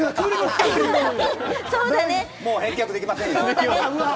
もう返却できませんよ。